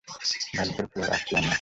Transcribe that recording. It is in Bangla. ভাগ্যের ফ্লোর, আসছি আমরা।